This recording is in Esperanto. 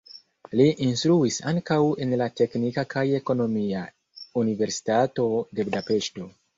Li instruis ankaŭ en la Teknika kaj Ekonomia Universitato de Budapeŝto.